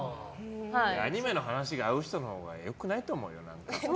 アニメの話の合う人のほうが良くないと思うよ。